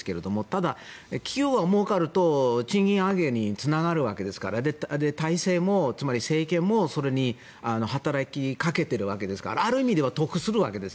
ただ、企業がもうかると賃上げにつながるわけですから体制もつまり政権もそれに働きかけているわけですからある意味では得するわけです。